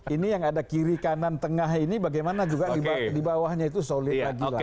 ini yang ada kiri kanan tengah ini bagaimana juga di bawahnya itu solid lagi lagi